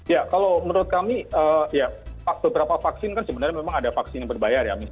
ya kalau menurut kami ya beberapa vaksin kan sebenarnya memang ada vaksin yang berbayar ya